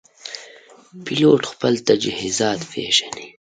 پیلوټ خپل تجهیزات پېژني.